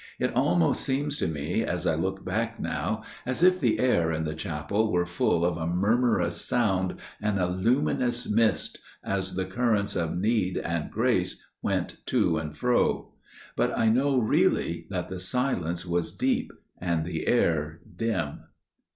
It almost seems to me as I look back now as if the air in the chapel were full of a murmurous sound and a luminous mist as the currents of need and grace went to and fro. But I know really that the silence was deep and the air dim."